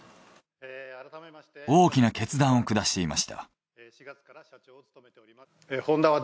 大きな決断を下していました。